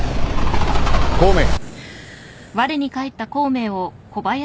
・孔明。